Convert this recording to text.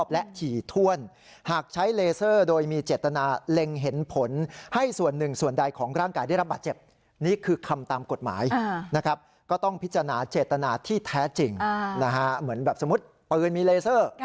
แล้วจริงนะฮะเหมือนแบบสมมุติปืนมีเลเซอร์